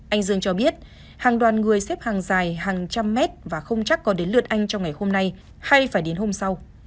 anh dương cho biết hàng đoàn người xếp hàng dài hàng trăm mét và không chắc có đến lượt anh trong ngày hôm nay hay phải đến hôm sau